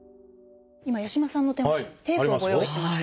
今八嶋さんの手元にテープをご用意しました。